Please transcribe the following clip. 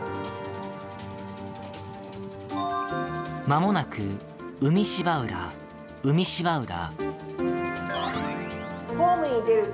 まもなく海芝浦、海芝浦。